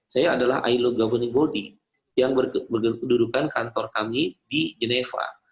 saya adalah ilo governing body yang berkedudukan kantor kami di geneva